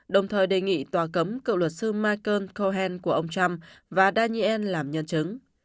đồng thời đề nghị tòa cấm cựu luật sư michael cohen của ông trump và daniel làm nhân chứng